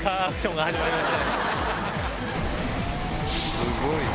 すごいな！